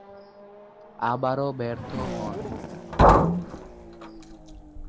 আবারও ব্যর্থ হন।